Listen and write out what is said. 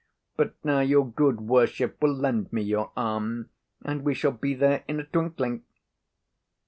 But now your good worship will lend me your arm, and we shall be there in a twinkling."